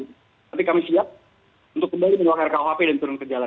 tapi kami siap untuk kembali mengeluarkan rkuhp dan turun ke jalan